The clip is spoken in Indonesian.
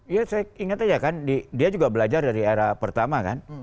ya saya ingat aja kan dia juga belajar dari era pertama kan